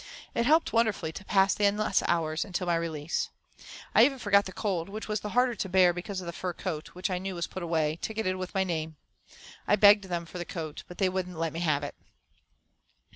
It helped wonderfully to pass the endless hours until my release. I even forgot the cold, which was the harder to bear because of the fur coat, which I knew was put away, ticketed with my name. I begged them for the coat, but they wouldn't let me have it.